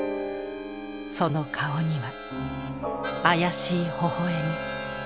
その顔には妖しいほほ笑み。